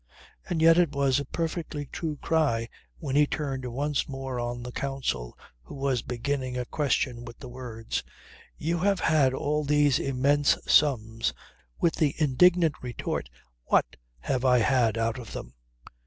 And yet it was a perfectly true cry, when he turned once more on the counsel who was beginning a question with the words "You have had all these immense sums ..." with the indignant retort "What have I had out of them?"